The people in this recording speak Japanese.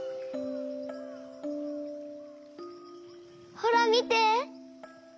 ほらみて！